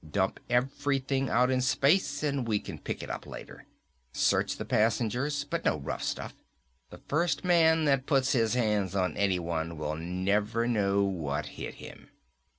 Dump everything out in space and we can pick it up later. Search the passengers, but no rough stuff. The first man that puts his hands on anyone will never know what hit him!"